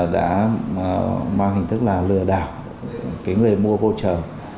đã mang hình thức là lừa đảo cái người mua voucher